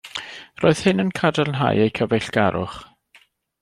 Roedd hyn yn cadarnhau eu cyfeillgarwch.